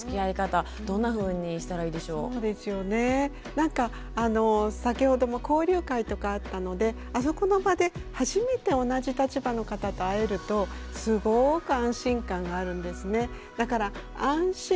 なんか先ほども交流会とかあったのであそこの場で初めて同じ立場の方と会えるとすごく安心感があるんですね。